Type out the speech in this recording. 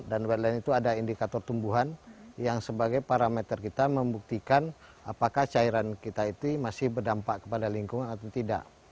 dan wetland itu ada indikator tumbuhan yang sebagai parameter kita membuktikan apakah cairan kita itu masih berdampak kepada lingkungan atau tidak